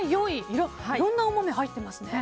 いろんなお豆が入ってますね。